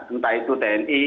entah itu tni